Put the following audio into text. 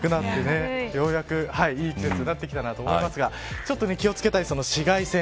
ようやくいい季節になってきたと思いますがちょっと気を付けたい紫外線。